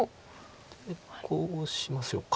こうしましょうか。